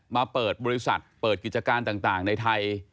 มาเปิดบริษัทเปิดกิจการต่างในไทย